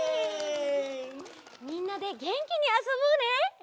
みんなでげんきにあそぼうね！